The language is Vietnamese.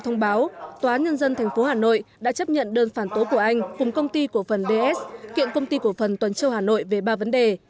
do thông báo tòa án nhân dân tp hà nội đã chấp nhận đơn phản tố của anh cùng công ty của phần bs kiện công ty của phần tuần châu hà nội về ba vấn đề